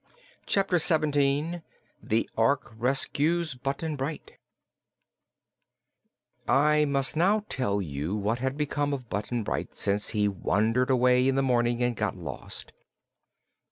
Chapter Seventeen The Ork Rescues Button Bright I must now tell you what had become of Button Bright since he wandered away in the morning and got lost.